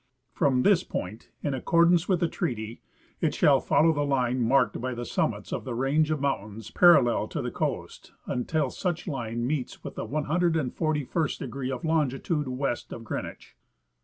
From this point, in ac cordance with the treaty, it shall follow the line marked by the summits of the range of mountains parallel to the coast until such line meets with the 141st degree of longitude west of Green wich.